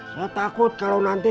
saya takut kalau nanti